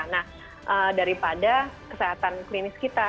nah daripada kesehatan klinis kita